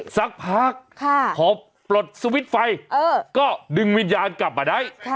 สักพักหอบปลดสวิตเฟย์ก็ดึงวิญญาณกลับมาได้ค่ะ